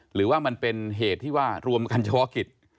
หรือว่ามันเป็นเหตุที่ว่ารวมกันเฉพาะกิจ